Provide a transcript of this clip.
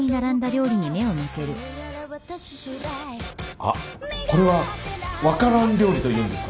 あっこれは和華蘭料理というんですが。